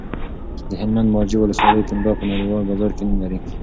د هلمند د مارجې ولسوالۍ پنبه په نړیوال بازار کې نوم لري.